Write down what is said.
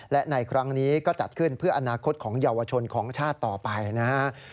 และในครั้งนี้ก็จัดขึ้นเพื่ออนาคตของเยาวชนของชาติต่อไปนะครับ